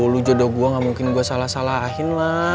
lu jodoh gue gak mungkin gue salah salahin lah